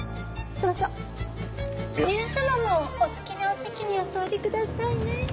皆さまもお好きなお席にお座りくださいね。